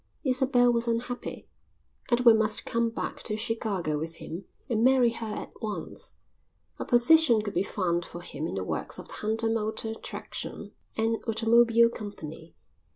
Isabel was unhappy. Edward must come back to Chicago with him and marry her at once. A position could be found for him in the works of the Hunter Motor Traction and Automobile Company.